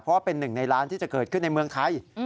เพราะว่าเป็นหนึ่งในล้านที่จะเกิดขึ้นในเมืองไทย